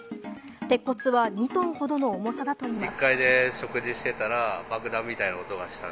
鉄骨は２トンほどの重さだといいます。